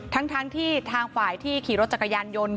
ทั้งที่ทางฝ่ายที่ขี่รถจักรยานยนต์